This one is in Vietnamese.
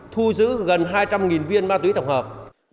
thu giữ gần hai trăm linh viên ma túy tổng hợp